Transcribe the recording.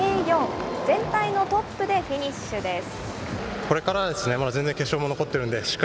全体のトップでフィニッシュです。